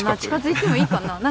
いいかな？